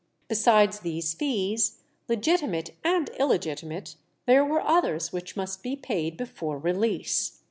Besides these fees, legitimate and illegitimate, there were others which must be paid before release.